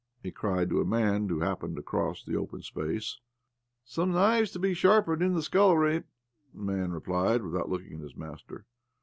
he cried to a man who happened to cross the open space. " Some knives to be sharpened in the scullery," the man replied, without looking at his master.